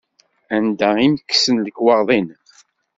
Anda i m-kksen lekwaɣeḍ-im?